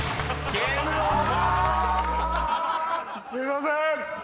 すいません！